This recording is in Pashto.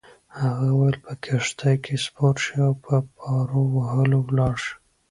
هغه وویل: په کښتۍ کي سپور شه او په پارو وهلو ولاړ شه.